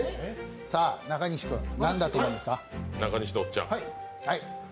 中西君、何だと思いますか？